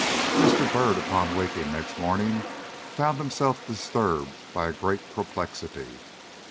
MR. BYRD, upon waking next morning, found himself disturbed by a great perplexity.